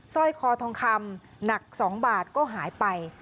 สร้อยคอทองคำหนัก๒บาทก็หายไป